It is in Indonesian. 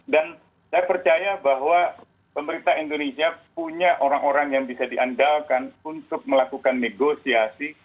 dan saya percaya bahwa pemerintah indonesia punya orang orang yang bisa diandalkan untuk melakukan negosiasi